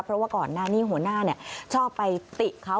เพราะว่าก่อนหน้านี้หัวหน้าชอบไปติเขา